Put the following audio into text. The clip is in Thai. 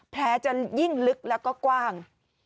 จะยิ่งลึกแล้วก็กว้าง